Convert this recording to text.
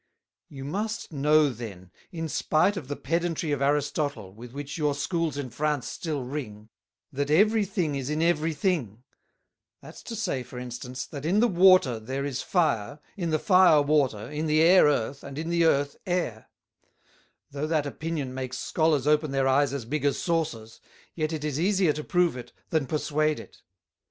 You must know then, in spight of the Pedantry of Aristotle with which your Schools in France still ring, That every thing is in every thing; that's to say, for instance, That in the Water there is Fire, in the Fire Water, in the Air Earth, and in the Earth Air: Though that Opinion makes Scholars open their Eyes as big as Sawcers, yet it is easier to prove it, than perswade it.